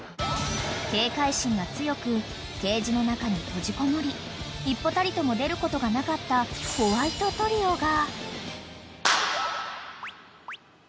［警戒心が強くケージの中に閉じこもり一歩たりとも出ることがなかったホワイトトリオが］